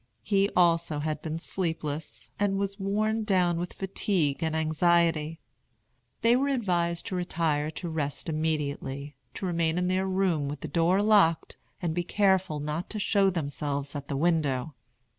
He also had been sleepless, and was worn down with fatigue and anxiety. They were advised to retire to rest immediately, to remain in their room with the door locked, and be careful not to show themselves at the window.